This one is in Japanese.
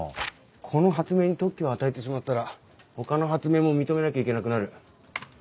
この発明に特許を与えてしまったら他の発明も認めなきゃいけなくなる。